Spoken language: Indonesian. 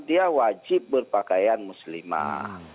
dia wajib berpakaian muslimah